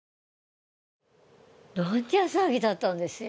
どんちゃん騒ぎだったんですよ。